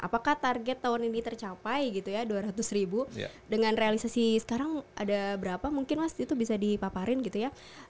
apakah target tahun ini tercapai gitu ya dua ratus ribu dengan realisasi sekarang ada berapa mungkin mas itu bisa dipaparin gitu ya